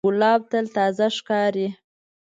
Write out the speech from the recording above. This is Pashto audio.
ګلاب تل تازه ښکاري.